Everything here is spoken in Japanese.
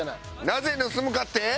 なぜ盗むかって？